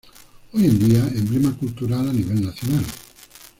Hoy en día emblema Cultural a nivel Nacional.